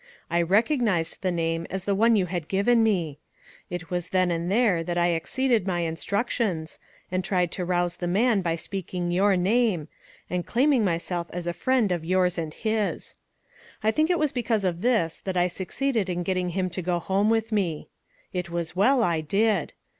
I recognized the name as the one you had given me. It was then and there that I exceeded my instructions, and tried to rouse tke man by sneaking your name, and claiming myself as a friend of yours and his. I think it was because of this that I succeeded in getting him to go home with me. It was well I did.